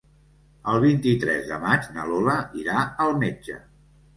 El vint-i-tres de maig na Lola irà al metge.